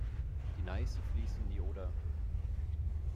Die Neiße fließt in die Oder.